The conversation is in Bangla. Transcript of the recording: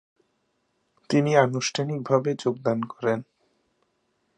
তিনি আনুষ্ঠানিকভাবে যোগদান করেন।